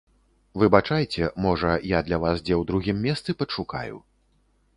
Выбачайце, можа, я для вас дзе ў другім месцы падшукаю.